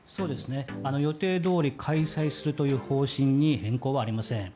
予定どおり開催するという方針に変更はありません。